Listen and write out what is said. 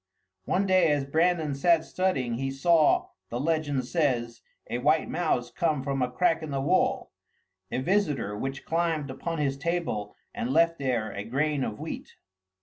One day as Brandan sat studying, he saw, the legend says, a white mouse come from a crack in the wall, a visitor which climbed upon his table and left there a grain of wheat.